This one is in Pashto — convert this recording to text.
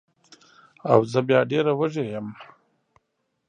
او زه بیا ډېره وږې یم